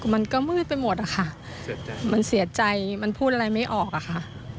มันก็มืดไปหมดอะค่ะมันเสียใจมันพูดอะไรไม่ออกอะค่ะ